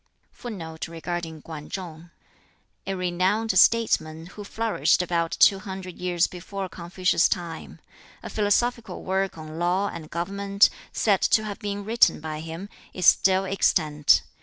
] [Footnote 9: A renowned statesman who flourished about two hundred years before Confucius's time. A philosophical work on law and government, said to have been written by him, is still extant.